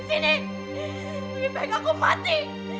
mereka akan sampai ini mati